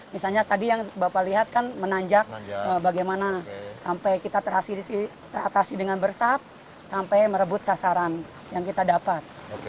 misalnya tadi yang bapak lihat kan menanjak bagaimana sampai kita teratasi dengan bersab sampai merebut sasaran yang kita dapat